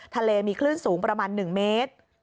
ทะเลมีคลื่นสูงประมาณ๑เมตร